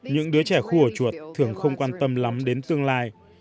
những đứa trẻ khua chuột thường không quan tâm lắm đến tương lai